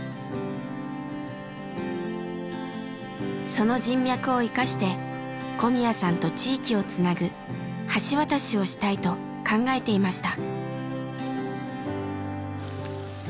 その人脈を生かして小宮さんと地域をつなぐ橋渡しをしたいと考えていました。